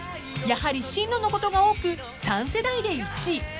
［やはり進路のことが多く３世代で１位］